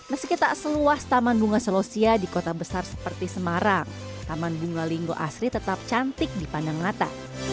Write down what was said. meski tak seluas taman bunga selosia di kota besar seperti semarang taman bunga linggo asri tetap cantik dipandang mata